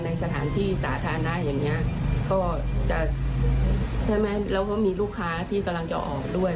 ในสถานที่สาธารณะอย่างเงี้ยก็จะใช่ไหมแล้วก็มีลูกค้าที่กำลังจะออกด้วย